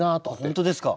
本当ですか？